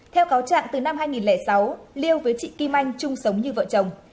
theo cáo trạng từ năm hai nghìn sáu liêu với chị kim anh chung sống như vợ chồng